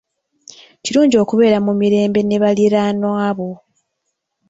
Kirungi okubeera mu mirembe ne baliraanwa bo.